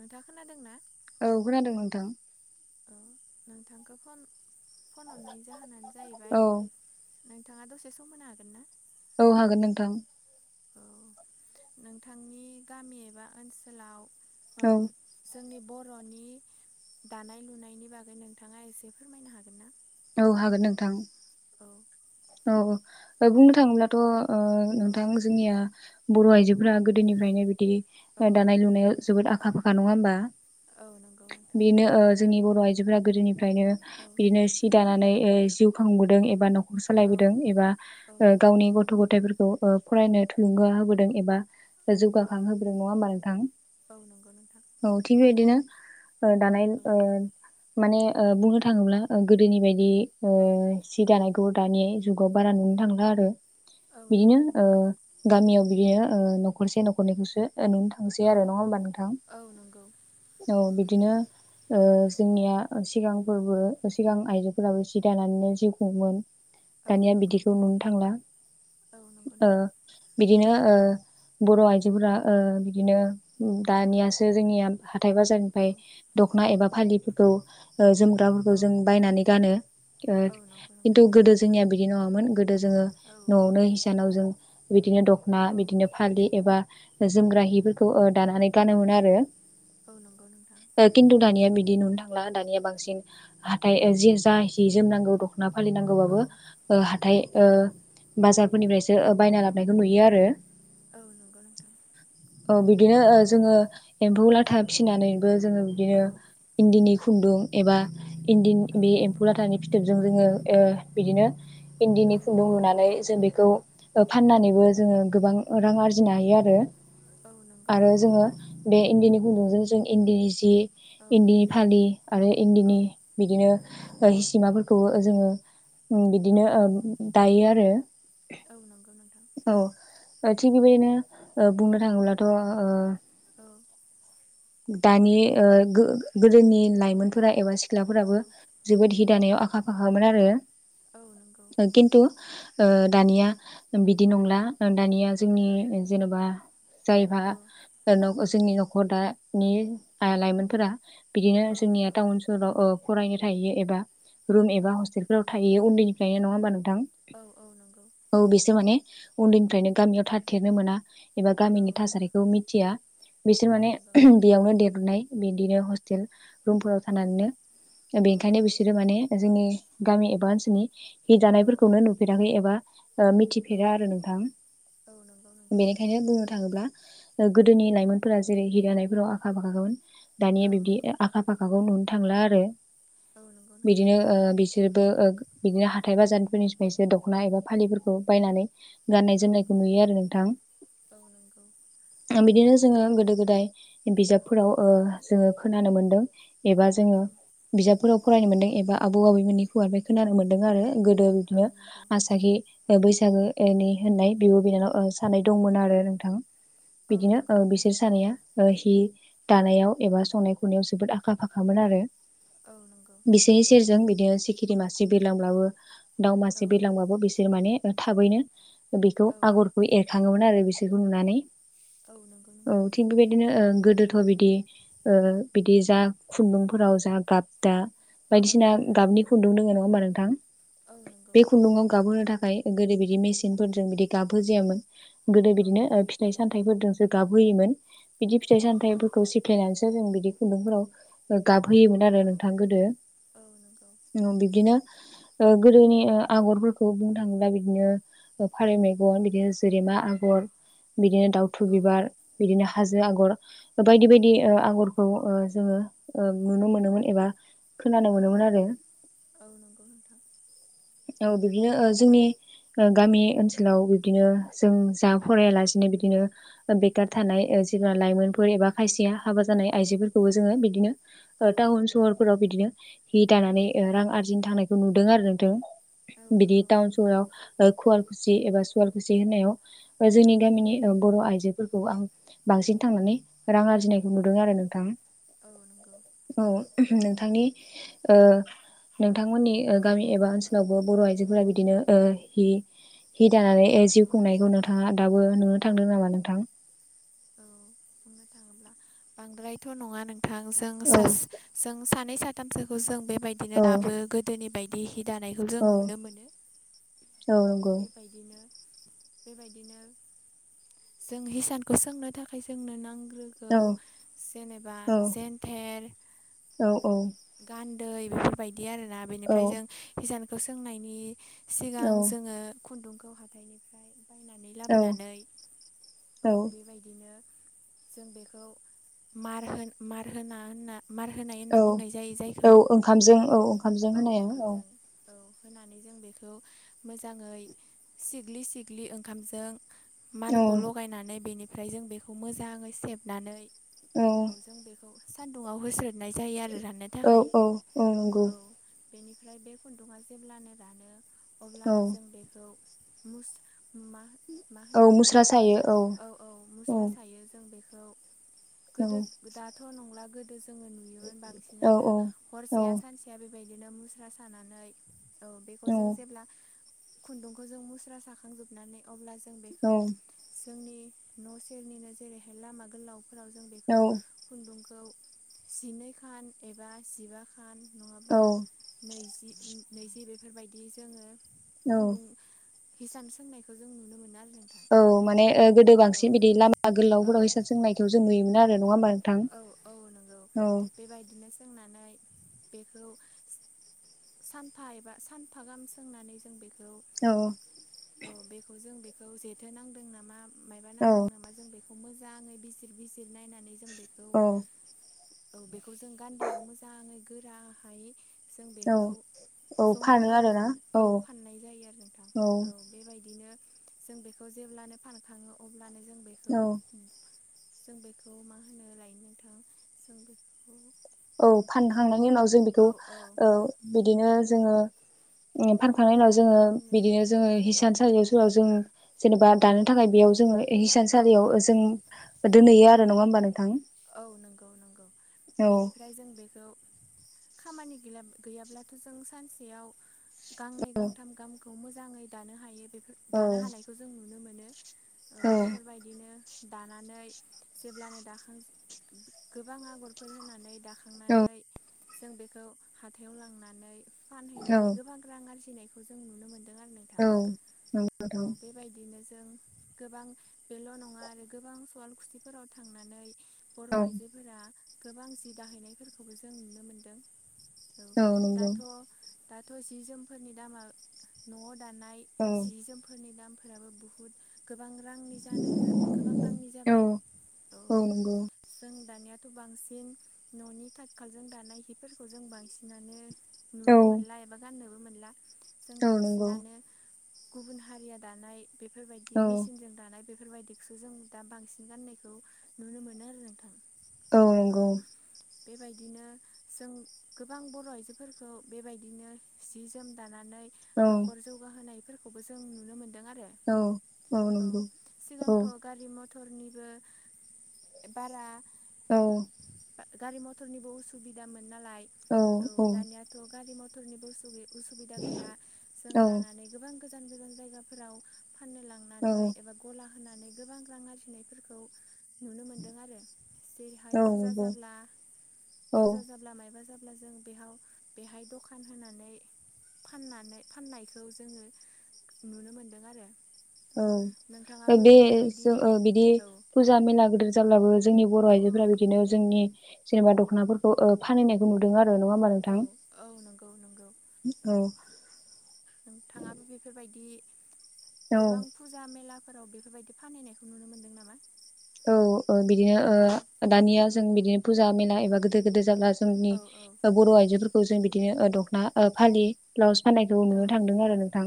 नोंथाङा खोनादों ना औ खोनादों नोंथां औ नोंथांखौ फन फन हरनाय जाहोनानो जाहैबाय औ नोंथाङा दसे सम होनो हागोन ना औ हागोन नोंथां औ नोंथांनि गामि एबा ओनसोलाव औ जोंनि ब रनि दानाय लुनायनि बागै नोंथाङा एसे फोरमायनो हागोन ना औ हागोन नोंथां औ औ बुंनो थाङोब्लाथ औ नोंथां जोंनिया बर' आइजोफोरा गोदोनिफ्रायनो बिदि औ दानाय लुनायाव जोबोद आखा फाखा नङा होमबा औ नंगौ नोंथां बेनो ओ जोंनि बर' आइजोफोरा गोदोनिफ्रायनो औ बिदिनो सि दानानै जिउ खांबोदों एबा न'ख औ सालायबोदों एबा औ नंगौ गावनि गथ' गथफोर खौ फरायनो थुलुंगा होबोदों एबा औ जौगाखांहोबोदों नङा होमबा नोंथां औ नंगौ नोंथां औ थिग बिबायदिनो दानाय औ माने बुंनो थाङोब्ला गोदोनि बायदि औ सि दानायखौ दानि जुगाव बारा नुनो थांला आरो औ नंगौ बिदिनो नोंथां गामियाव बिदिनो न'खरसे न'खरनैखौसो नुनो थांसै औ आरो नङा होमबा नोंथां औ नंगौ औ बिदिनो [inaudible] औ दानिया नंगौ बिदिखौ नुनो थांला औ नंगौ नोंथां बिदिनो बर' आइजोफोरा बिदिनो दानियासो जोंनिया हाथाय औ बाजारनिफ्राय दख'ना एबा फालिफोरखौ जोमग्राफोरखौ औ जों बायनानै गानो औ नंगौ खिन्थु नोंथां गोदो जोंनिया बिदि नङामोन गोदो जोङो औ न'आवनो हिसानाव जों बिदिनो दखना औ बिदिनो फालि एबा जोमग्रा हि फोरखौ ओ दानानै औ गानोमोन आरो औ नंगौ नोंथां खिन्थु दानिया बिदि नंला दा दानिया बांसिन हाथाय जा जि जोमनांगौ दख'ना फालि औ नांगौबाबो औ हाथाय बाजारफोरनिफ्रायसो बायना लाबायखौ नुयो आरो औ नंगौ नोंथां औ बिदिनो जोङो एम्फौ लाथा फिसिनानै बो जोङो बिदिनो औ इन्दिनि खुन्दुं एबा औ इन्दिनि बे एम्फौ लाथानि फिथोबजों जोङो बिदिनो इन्दिनि औ खुन्दुं लुनानै जों बेखौ फाननानैबो जोङो गोबां रां आरजिनो हायो आरो औ नंगौ आरो जोङो बे इन्दिनि गुन्दुंजों जों इन्दिनि जि औ इन्दिनि फालि आरो इन्दिनि औ बिदिनो हिसिमाफोरखौबो जोङो औ बिदिनो ओ दायो आरो औ नंगौ नोंथां औ ओ थिग बेबायदिनो बुंनो थाङोब्लाथ ओ [inaudible] दानि ओ गोदोनि लाइमोनफोरा एबा सिख्लाफोराबो औ जोबोद हि दानायाव आखा फाखामोन आरो औ नंगौ खिन्थु ओ दानिया बिदि नंला दानिया जोंनि जनबा जायफा औ जोंनि नखर दानि लाइमोनफोरा बिदिनो औ जोंनिया नंगौ टाउन सहराव ओ फरायनो थायो एबा रुम औ एबा औ हस्टेल। आव थायो उन्दैनिफ्रायनो नङा होमबा नोंथां औ नंगौ औ बेसो माने उन्दैनिफ्रायनो गामियाव थाथेरनो मोना। एबा औ गामिनि नंगौ थासारिखौ मिथिया बिसोर औ माने नंगौ बेयावनो देरबोनाय। बिदिनो हस्टेल रुमफोराव औ थानानैनो औ बेनिखायनो नंगौ बिसोरो माने जोंनि। गामि एबा ओनसोलनि हि औ दानायफोरखौनो नुफेराखै एबा ओ मिथिफेरा आरो नोंथां। औ नंगौ नोंथां बेनिखायनो बुंनो थाङो थाङोब्ला गोदोनि लाइमोनफोरा जेरै हि दानायफोराव आखा फाखाखामोन दानिया औ बिब्दि नंगौ आखा फाखाखौ नुनो थांला आरो औ नंगौ नोंथां बिदिनो ओ बिसो बिसोरबो बिदिनो हाथाय बाजारफोरनि बिसोर दखना एबा फालिफोरखौ बायनानै गाननाय औ जोमनायखौ नुयो आरो नोंथां। बिदिनो जोङो गोदो गोदाय बिजाबफोराव ओ जोङो खोनानो मोनदों एबा जोङो बिजाबफोराव फरायनो मोनदों एबा आबौ आबौमोननि होवानिफ्राय खोनानो मोन्दों आरो गोदो औ बिदिनो नंगौ आसागि बैसागो एनि होननाय बिब बिनानाव सानै दंमोन आरो नोंथां। औ नंगौ औ बिदिनो ओ नंगौ नोंथां बिसोर सानै आ हि दानायाव एबा संनाय खनायाव जोबोद आखा फाखामोन आरो औ नंगौ बिसोरनि सेरजों बिदिनो सिखिरि मासे बिरलांब्लाबो दाउ औ मासे बिलांबाबो बिसोर माने थाबैनो बेखौ आगरखौ एरखां थाङोमोन आरो बिसोरखौ नुनानै औ नंगौ औ नोंथां थिक बेबायदिनो ओ गोदोथ' बिदि ओ बिदि जा खुन्दुंफोराव जा गाबदा औ बायदिसिना गाबनि खुन्दुं दङ नङा होमबा नोंथां औ नंगौ बे खुन्दुाव गाबहोनो थाखाय गोदो बिदि मेचनजों बि गाब हो जायामोन गोदो औ बिदिनो फिथाइ सामथफोर जों गाबहोयोमोन बिदि फिथाइ सामथफोरखौ नंगौ सिफ्लायनानैसो जों बि खुन्दुंफोराव गाब होयोमोन आरो नोंथां औ गोदो। नंगौ नोंथां बिदिनो ओ गोदोनि आगरफोरखौ बुंनो थाङोब्ला बिदिनो फारौ औ मेगन बिदिनो जेरेमा आगर बिदिनो दाउथु बिबार बिदिनो हा हा जो आगर बायदि बायदि ओ आगरखौ ओ जोङो ओ नुनो मोनोमोन एबा खोनानो मोनोमोन आरो औ नंगौ नोंथां। बिब्दिनो ओ जोंनि गामि ओनसोलाव बिब्दिनो जों जा फरायालासिनो बिदिनो बेखार थानाय जेब्ला लाइमोनफोर एबा खायसेया हाबा जानाय औ आइजोफोरखौबो जोङो बिदिनो औ टाउन सहरफोराव बिदिनो हि दानानै ओ रां आरजिनो थांनायखौ नुदों आरो औ नोंथां बिदि नंगौ टाउन सहराव ओ खुवालकुसि एबा सुवालकुसि होननायाव औ जोंनि गामिनि बर आइजो फोरखौ आं बांसिन थांनानै रां आरजिनायखौ नुदों आरो नोंथाङा। औ नंगौ औ नोंथांनि ओ नो बिथां मोननि औ गामि एबा ओनसोलाव बो बर आइजोफोरा बिदिनो ओ हि- हि दानानै औ जिउ खुंनायखौ नोंङा दाबो नुनो थांदों नामा नोंथां? औ बुंनो थाङोब्ला बांद्रायथ नङा नोंथां जों औ सास जों सा नै साथामसोखौ जों बेबायदिनो औ दाबो गोदोनि बायदि हि दानायखौ जों औ नुनो मोनो। औ नोंगौ। बेबायदिनो जों हिसानखौ सोंनो थाखाय जोंनो नां गौ औ जेनेबा औ जेन्थेर औ औ। गान्दै बेफोरबायदि आरोना औ बेनिफ्राय जों हिसानखौ सोंनायनि सिगां जोङो खुन्दुंखौ हाथाइनिफ्राय बायनानै औ लाबोनानै औ बेबायदिनो जों बेखौ मार होना होनना मार होनाय होनना औ बुंनाय जायो जायखौ औ ओंखामजों औ ओंखामजों औ होनाया औ ओंखामजों औ होनानै जों बेखौ मोजाङै सिग्लि सिग्लि ओंखामजों औ मारखौ लगायनानै बेनिफ्राय जों बेखौ मोजाङै सेबनानै औ जों बेखौ सान्दुुङाव होस्रोदनाय जायो आरो राननो औ थाखाय औ औ नोंगौ बेनिफ्राय बे खुन्दुंआ जेब्लानो रानो औ अब्लानो जों बेखौ मुस मा मा औ होनो बेखौ मुस्रा नोंथां सायो औ औ मुस्रा सायो जों बेखौ औ गोदो दाथ' नंला गोदो जोङो नुयोमोन औ बांसिनानो औ हरसेाया सानसेया बे बायदिनो मुस्रा सानानै औ बेखौ जों जेब्ला खुन्दुंखौ जों मुस्रा साखांजोबनानै अब्ला जो औ जोंनि न' सेरनिनो जेरैहाय लामा गोलावफोराव जों बेखौ औ खुन्दुं खौ जिनै खान एबा जिबा खान नङाबा औ नैजि नैजि बेफोरबायदि जोङो खुन्दुं हिसान सोंनायखौ जों नुनो मोनो आर औ माने ओ गोदो बांसिन बिदि लामा औ गोलावफोराव हिसान सोंनायखौ जों नुयोमोन आरो नङा होमबा औ औ नंगौ नोंथां औ बेबायदिनो सोंनानै बेखौ सानफा एबा सानफा गाहाम सोंनानै जों बेखौ औ औ बेखौ जों बेखौ जेथो नांदों नामा मायबा औ नांदों नामा जों बे खौ मोजाङै बिजिर बिजिर नायनानै जों बे औ औ बेखौ जों गान्दैयाव मोजाङै गोराहायै जों औ बेखौ औ ज' मा फानो आरोना खालामजोबोननो औ फाननाय जायो आरो नोंथां औ बेबायदिनो जों बेखौ जेब्लानो फानखाङो अब्लानो जों बेखौ औ जों बेखौ मा होनो लायनो नोंथां जों बेफोरखौ औ फानखांनायनि उनाव जों बेखौ औ बिदिनो जोङो ए बह' फानखांनायनि उनाव होनाय जोङो होनना बुंनाय जायो बिदिनो जोङो हिसानसालियाव सुवाव जों जेनेबा औ दानो थाखाय बेयाव जोङो औ हिसानसालियाव औ जों दोनहैयो आरो नङा होमबा नों औ नोंगौ नोंगौ औ बेनिफ्राय जों बेखौ खामानि गैला गैयाब्लाथ' जों सानसेयाव गांनै औ गांथाम गाम खौ मोजाङै दानो हायो बेफोर औ दानो हानायखौ जों नुनो मोनो औ बेफोरबायदिनो दानानै जेब्लानो दाखां गोबां आगरफोर होनानै दा औ खांनानै जों बेखौ हाथायाव लांनानै फानहैनानै गोबां रां आरजि नायखौ जों नुनो मोन औ नोंगौ नोंथां बेबायदिनो जों गोबां बेल' नङा आरो गोबां सुवाल खुसिफोराव थांनानै बर' आइजोफोरा गोबां जि दाहैनायफोरखोबो जों नुनो मोनदों औ दाथ' दाथ' जि जोमफोरनि दामा न'आव दानाय सि औ जोमफोरनि दामफोराबो बुहुद गोबां रांनि जानो गो-गोबां रांनि जाबाय औ जों दानायाथ' बांसिन न'नि थाथखालजों दानाय हिफोरखौ जों बांसिनानो औ नुनो मोनला एबा गाननोबो मोनला जों औ नंगौ बांसिनानो गुबुन हारिया दानाय बेफोरबायदि औ नंगौ औ मेसिनजों दानाय बे फोरबायदिखौसो जों दा बांसिन गान्नायखौ नुनो मोनो आरो नों औ नंगौ। बेबायदिनो जों गोबां बर' आइजोफोरखौ बेबायदिनो सि जोम दानानै औ न'खर जौगाहोनायफोरखौबो जों नुनो मोन दों आरो औ औ औ सिगांथ' गारि मथ थरनिबो ए बारा औ। ओ गारि मथरनिबो उसुबिदामोन नालाय औ दानियाथ' गारि मथरनिबो उसुगि उसुबिदा गैला जों औ दानानै गोबां गोजान गोजान जायगाफोराव फाननो लांनानै एबा गला होनानै गोबां रां आरजिनायफोरखौ नु दों आरो जेरैहाय औ फुजा नंगौ जाब्ला औ फुजा जाब्ला मायबा जाब ब्ला जों बेहाव बेहाय दखान होनानै फाननानै फाननायखौ जोङो नुनो मोनदों आरो। औ औ नोंथाङाबो बे बेफोरबायदि जों ओ बिदि औ फुजा मेला गोदोर जाब्लाबो जोंनि बर' औ आइजोफोरा बिदिनो जोंनि जेनेबा दख'नाफोरखौ ओ फानहैनायखौ नुदों आर औ औ नंगौ। नंगौ उम औ। नोंथाङाबो बेफोरबायदि गोबां फुजा मेलाफोराव बेफोरबायदि फानहैनायखौ नुनो मोनदों नामा? औ ओ बिदिनो औ ओ दानिया जों बिदिनो फुजा मेला एबा गोदोर गोदोर जागास जोंनि औ औ ओ बर' आइजोफोरखौ जों बिदिनो ओ दख'ना ओ फालि ब्लाउस फाननायखौ औ नुनो थांदों आरो नोंथां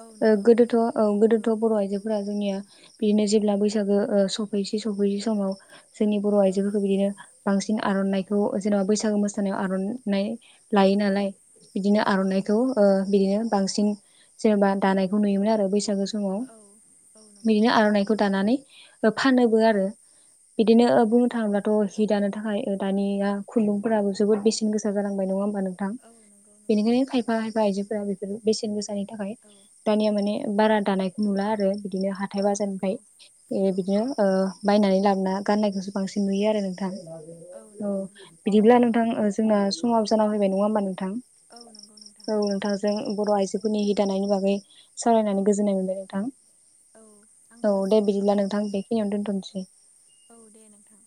औ नंगौ गोदोथ' औ गोदोथ' बर' आइजोफोरा जोंनिया बिदिनो जेब्ला बैसागो ओ सफैस सफैसै समाव जोंनि बर' औ आइजोफोरखौ बिदिनो बांसिन आर'नाइखौ ओ जेनेबा बैसागो मोसानायाव आरन नाइ लायो औ नालाय बिदिनो आर'नाइखौ ओ बिदिनो बांसिन जेनेबा दानायखौ नुयोमोन आरो बैसा सागो समाव औ औ नंगौ बिदिनो नोंथां आर'नाइखौ दानानै ओ औ फानोबो आरो औ बिदिनो बुंनो थाङोबा थ' हिटानो थाखाय ओ दानिया खुन्दुंफोराबो जोबोद बेसेन गोसा जालांबाय। नङा होमबा नों थां? औ नंगौ नंगौ बेनिखायनो नोंथां खायफा खायफा आइजोफोरा बि दि बेसेन गोसानि थाखाय औ दानिया माने बारा दानायखौ नुला आरो। बिदिनो हाथाय औ नंगौ बाजारनिफ्राय ओ औ बिदिनो औ ओ बायनानै लाबोना गाननायखौसो बांसिन नुयो आरो नोंथां। औ नंगौ नोंथां बिदिब्ला नोंथां ओ जोंना औ समाबो जाना फैबाय। नङा होमबा नोंथां? औ नंगौ नोंथां औ नोंथांजों बर' आइजोफोरनि दानायनि बागै औ सावरायनानै गोजोन्नाय मोनबाय नोंथां औ आंबो औ दे गोजोननाय बिदिब्ला मोनबाय नोंथां बे खिनियावनो दोनथनसै। औ दे नोंथां